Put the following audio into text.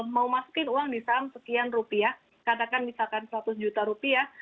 mau masukin uang di saham sekian rupiah katakan misalkan seratus juta rupiah